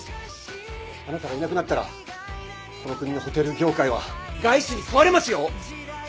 あなたがいなくなったらこの国のホテル業界は外資に食われますよ！